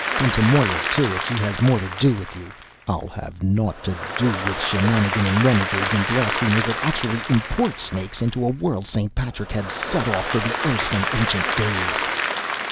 "And to Moira, too, if she has more to do with you! I'll have naught to do with shenanigannin' renegades and blasphemers that actually import snakes into a world St. Patrick had set off for the Erse from ancient days!"